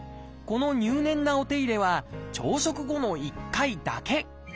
この入念なお手入れは朝食後の１回だけ。